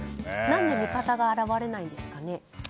何で味方が現れないんですかね。